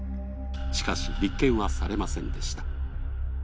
しかし立件はされませんでした。